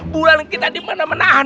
bulan kita dimenang menang